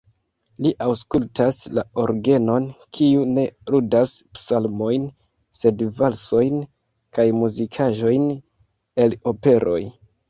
Li aŭskultas la orgenon, kiu ne ludas psalmojn, sed valsojn kaj muzikaĵojn el operoj.